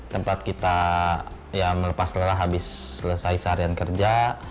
tempat kita ya melepas lelah habis selesai seharian kerja